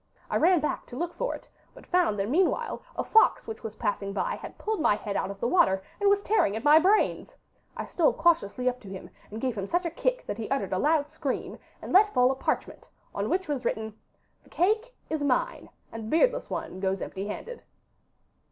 I ran back to look for it, but found that meanwhile a fox which was passing by had pulled my head out of the water, and was tearing at my brains. I stole cautiously up to him, and gave him such a kick that he uttered a loud scream, and let fall a parchment on which was written, "The cake is mine, and the beardless one goes empty handed."